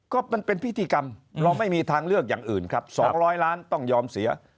ก็มันเป็นพิธีกรรมเราไม่มีทางเลือกอย่างอื่นครับ๒๐๐ล้านต้องยอมเสีย